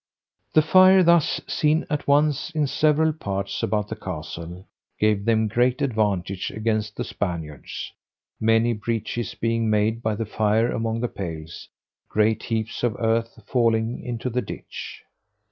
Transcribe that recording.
The fire thus seen at once in several parts about the castle, gave them great advantage against the Spaniards, many breaches being made by the fire among the pales, great heaps of earth falling into the ditch.